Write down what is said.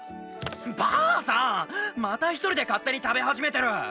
バアさんまたひとりで勝手に食べ始めてる！